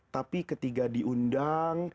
tapi ketika diundang